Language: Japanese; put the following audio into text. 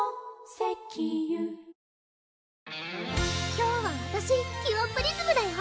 今日はわたしキュアプリズムだよ！